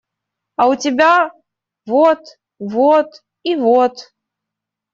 А у тебя – вот… вот… и вот…